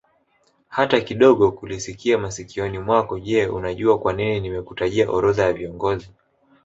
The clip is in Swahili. hata kidogokulisikia masikioni mwako Je unajua kwanini nimekutajia orodha ya viongozi